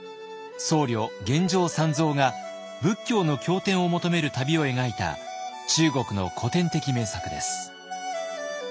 僧侶玄奘三蔵が仏教の経典を求める旅を描いた中国の古典的名作です。